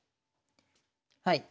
はい。